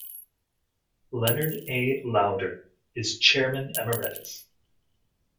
Leonard A. Lauder is Chairman Emeritus.